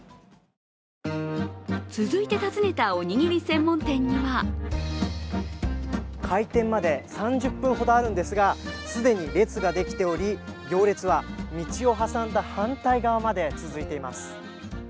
続いて訪ねた、おにぎり専門店には開店まで３０分ほどあるんですが既に列ができており行列は道を挟んだ反対側まで続いています。